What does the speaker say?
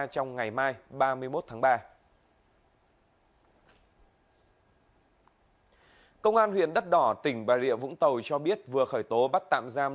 công an huyện đất đỏ tỉnh bà rịa vũng tàu cho biết vừa khởi tố bắt tạm giam